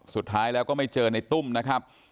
สุดท้ายแล้วก็ไม่เจอในตุ้มนะครับ